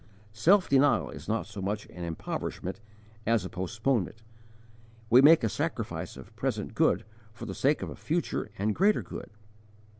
Self denial is not so much an impoverishment as a postponement: we make a sacrifice of a present good for the sake of a future and greater good.